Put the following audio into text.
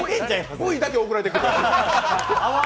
Ｖだけ送られてくる。